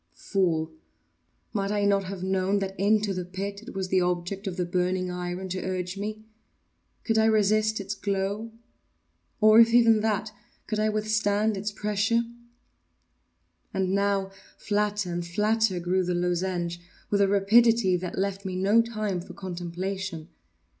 ” Fool! might I have not known that into the pit it was the object of the burning iron to urge me? Could I resist its glow? or, if even that, could I withstand its pressure? And now, flatter and flatter grew the lozenge, with a rapidity that left me no time for contemplation.